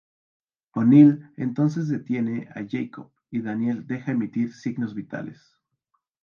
O'Neill entonces detiene a Jacob, y Daniel deja emitir signos vitales.